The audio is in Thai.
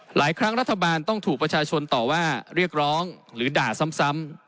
หลายครั้งรัฐบาลต้องถูกประชาชนต่อว่าเรียกร้องหรือด่าซ้ำ